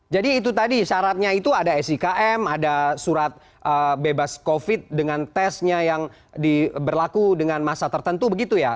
jadi itu tadi syaratnya itu ada sikm ada surat bebas covid dengan tesnya yang berlaku dengan masa tertentu begitu ya